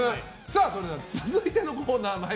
それでは続いてのコーナー。